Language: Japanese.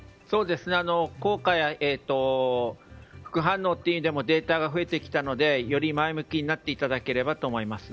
効果や副反応って意味でもデータが増えてきたのでより前向きになっていただければと思います。